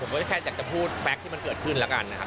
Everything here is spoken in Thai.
ก็จะแค่อยากจะพูดแฟคที่มันเกิดขึ้นแล้วกันนะครับ